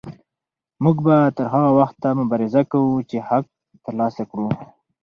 موږ به تر هغه وخته مبارزه کوو چې حق ترلاسه کړو.